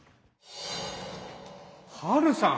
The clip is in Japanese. ハルさん。